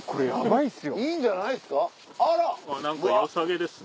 いいんじゃないですか？